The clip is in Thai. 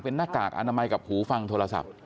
เป็นหน้ากากอนามัยกับหูฟังโทรศัพท์